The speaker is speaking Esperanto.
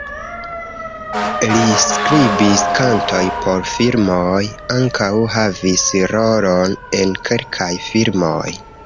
Li skribis kantojn por filmoj, ankaŭ havis rolon en kelkaj filmoj.